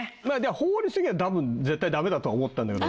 法律的には多分絶対ダメだとは思ったんだけど。